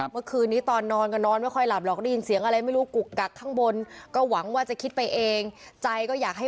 เมื่อคืนนี้ตอนนอนก็นอนไม่ค่อยหลับหรอกได้ยินเสียงอะไร